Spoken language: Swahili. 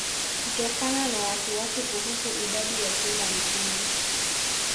Kutokana na wasiwasi kuhusu idadi ya simba nchini